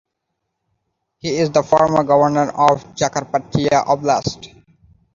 He is the former Governor of Zakarpattia Oblast.